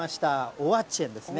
オアチェンですね。